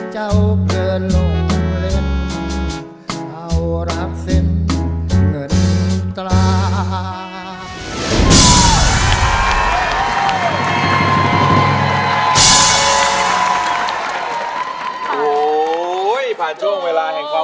เจ้าเกิดลงเล่นเข้ารามเส้นเงินกล้า